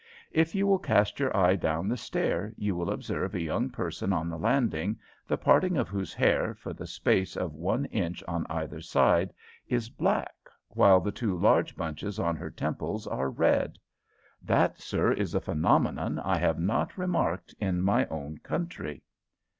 If you will cast your eye down the stair you will observe a young person on the landing, the parting of whose hair, for the space of one inch on either side, is black, while the two large bunches on her temples are red. That, sir, is a phenomenon I have not remarked in my own country."